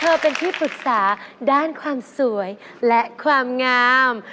เป็นที่ปรึกษาด้านความสวยและความงาม